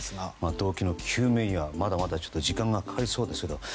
動機の究明にはまだ時間がかかりそうですが。